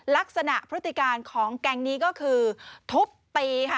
พฤติการของแก๊งนี้ก็คือทุบตีค่ะ